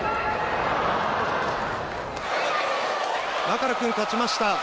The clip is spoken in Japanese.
マカル君、勝ちました。